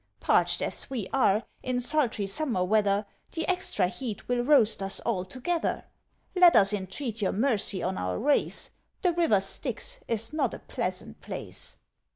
Parched as we are, in sultry summer weather, The extra heat will roast us altogether. Let us entreat your mercy on our race; The river Styx is not a pleasant place!'"